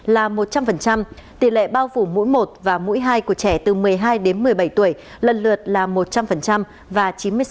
là một trăm linh tỷ lệ bao phủ mũi một và mũi hai của trẻ từ một mươi hai đến một mươi bảy tuổi lần lượt là một trăm linh và chín mươi sáu